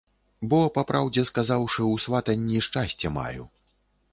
Бо, па праўдзе сказаўшы, у сватанні шчасце маю.